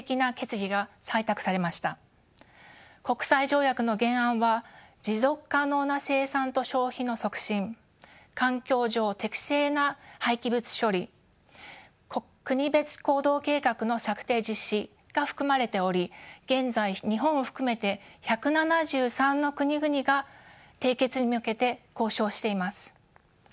国際条約の原案は「持続可能な生産と消費の促進」「環境上適正な廃棄物処理」「国別行動計画の策定・実施」が含まれており現在日本を含めて１７３の国々が締結に向けて交渉しています。